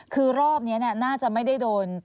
คือรอบนี้น่าจะไม่ได้โดน